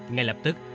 ngay lập tức